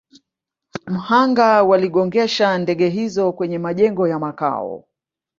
mhanga waligongesha ndege hizo kwenye majengo ya Makao